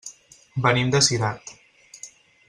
Venim de Cirat.